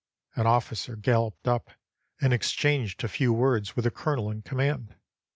An officer galloped up and exchanged a few words with the colonel in command.